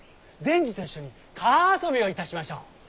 善児と一緒に川遊びをいたしましょう。